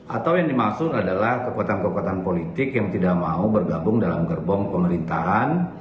atau yang dimaksud adalah kekuatan kekuatan politik yang tidak mau bergabung dalam gerbong pemerintahan